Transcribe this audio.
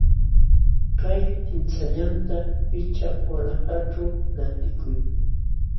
Kay tinisallanta pichqa walanqaćhu lantikuy.